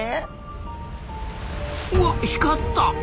うわ光った！